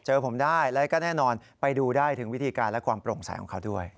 ผมได้แล้วก็แน่นอนไปดูได้ถึงวิธีการและความโปร่งใสของเขาด้วย